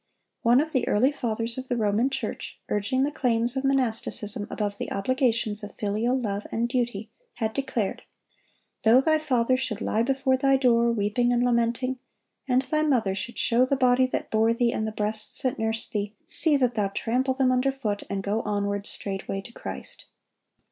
One of the early Fathers of the Roman Church, urging the claims of monasticism above the obligations of filial love and duty, had declared: "Though thy father should lie before thy door, weeping and lamenting, and thy mother should show the body that bore thee and the breasts that nursed thee, see that thou trample them under foot, and go onward straightway to Christ."